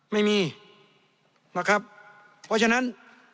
ไม่มีนะครับเพราะฉะนั้น